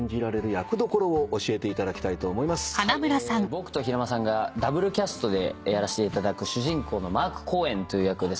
僕と平間さんがダブルキャストでやらせていただく主人公のマーク・コーエンという役ですね。